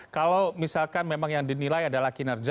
kalau misalkan memang yang dinilai adalah kinerja